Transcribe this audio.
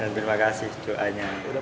dan terima kasih juanya